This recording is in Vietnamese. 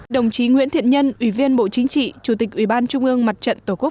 đồng chí nguyễn thiện nhân ủy viên bộ chính trị chủ tịch ủy ban trung ương mặt trận tổ quốc